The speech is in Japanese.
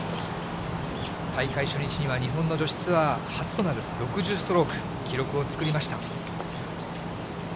大会初日には日本の女子ツアー初となる６０ストローク、記録を作りました。